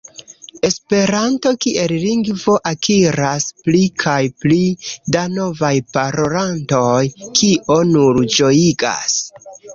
Esperanto kiel lingvo akiras pli kaj pli da novaj parolantoj, kio nur ĝojigas.